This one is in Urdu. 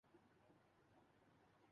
عبرانی